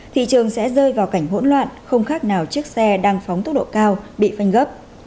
thị trường sẽ rơi vào cảnh hỗn loạn không khác nào chiếc xe đang phóng tốc độ cao bị phanh gấp